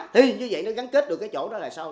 thì như vậy nó gắn kết được cái chỗ đó là sau